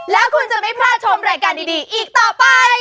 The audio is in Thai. แล้วคุณจะไม่พลาดชมรายการดีอีกต่อไป